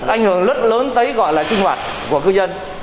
ảnh hưởng rất lớn tới gọi là sinh hoạt của cư dân